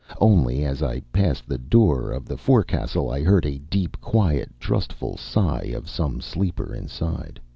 Only as I passed the door of the forecastle, I heard a deep, quiet, trustful sigh of some sleeper inside.